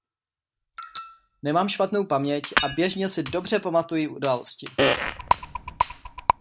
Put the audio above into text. Nemám špatnou paměť a běžně si dobře pamatuji události.